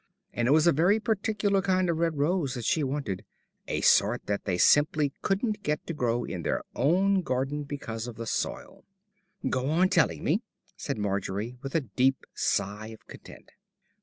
And it was a very particular kind of red rose that she wanted a sort that they simply couldn't get to grow in their own garden because of the soil." "Go on telling me," said Margery, with a deep sigh of content.